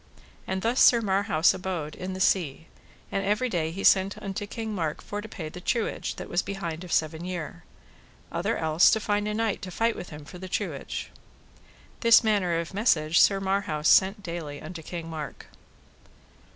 And thus Sir Marhaus abode in the sea, and every day he sent unto King Mark for to pay the truage that was behind of seven year, other else to find a knight to fight with him for the truage. This manner of message Sir Marhaus sent daily unto King Mark.